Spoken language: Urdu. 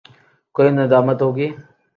کوئی ندامت ہو گی؟